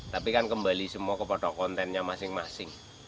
tapi kan kembali semua kepada kontennya masing masing